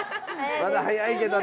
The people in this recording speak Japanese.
まだ早いけどね。